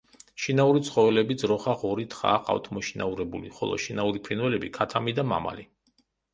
შინაური ცხოველები ძროხა, ღორი, თხა ჰყავთ მოშინაურებული, ხოლო შინაური ფრინველები: ქათამი და მამალი.